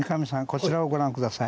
こちらをご覧下さい。